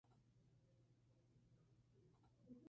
Fue puesto a cargo del reclutamiento.